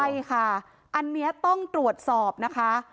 ใช่ค่ะอันนี้ต้องตรวจสอบนะคะ